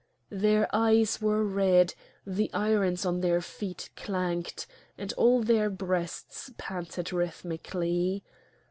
Their eyes were red, the irons on their feet clanked, and all their breasts panted rhythmically.